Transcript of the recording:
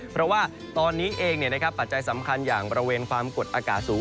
เพราะว่าตอนนี้เองปัจจัยสำคัญอย่างบริเวณความกดอากาศสูง